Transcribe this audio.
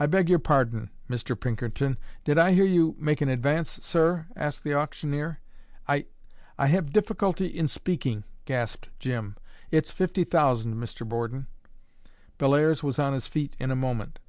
"I beg your pardon, Mr. Pinkerton. Did I hear you make an advance, sir?" asked the auctioneer. "I I have a difficulty in speaking," gasped Jim. "It's fifty thousand, Mr. Borden." Bellairs was on his feet in a moment.